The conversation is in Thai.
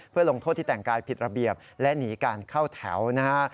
เพื่อลงโทษที่แต่งกายผิดระเบียบและหนีการเข้าแถวนะฮะ